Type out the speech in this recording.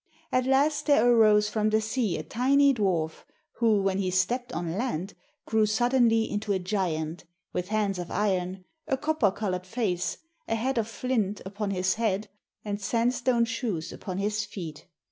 At last there arose from the sea a tiny dwarf, who, when he stepped on land, grew suddenly into a giant, with hands of iron, a copper coloured face, a hat of flint upon his head, and sandstone shoes upon his feet.